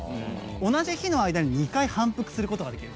同じ日の間に２回反復することができる。